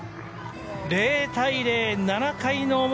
０対０、７回の表。